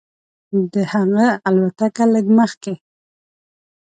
د هغه الوتکه لږ مخکې.